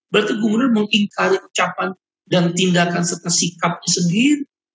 berarti gubernur mengingkari ucapan dan tindakan serta sikapnya sendiri